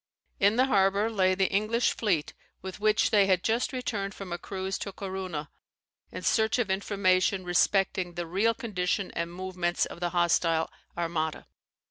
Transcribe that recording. In the harbour lay the English fleet with which they had just returned from a cruise to Corunna in search of information respecting the real condition and movements of the hostile, Armada.